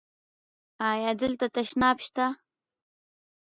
ایا دلته تشناب شته؟